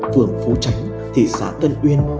vườn phú tránh thị xã tân uyên